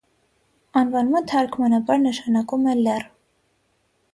Անվանումը թարգմանաբար նշանակում է լեռ։